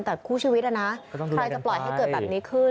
แต่คู่ชีวิตนะใครจะปล่อยให้เกิดแบบนี้ขึ้น